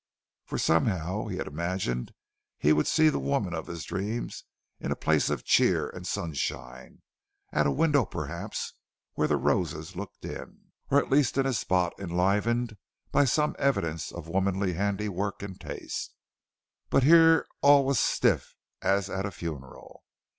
For somehow he had imagined he would see the woman of his dreams in a place of cheer and sunshine; at a window, perhaps, where the roses looked in, or at least in a spot enlivened by some evidences of womanly handiwork and taste. But here all was stiff as at a funeral.